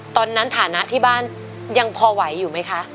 ตอนนั้นฐานะที่บ้านยังพอไหวอยู่ไหมคะ